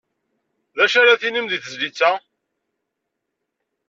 D acu ara tinim di tezlit-a?